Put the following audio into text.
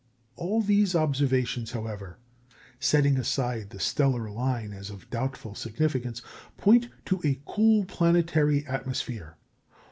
All these observations, however (setting aside the stellar line as of doubtful significance), point to a cool planetary atmosphere.